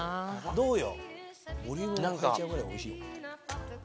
どうよ？